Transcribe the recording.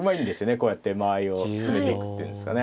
こうやって間合いを詰めていくって言うんですかね。